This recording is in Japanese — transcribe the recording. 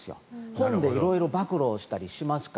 本で色々暴露したりしますから。